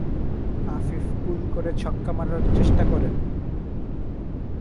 Afif pull করে ছক্কা মারার চেষ্টা করেন।